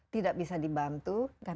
tidak bisa dibantu